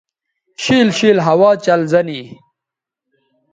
شِیل شِیل ہوا چلزہ نی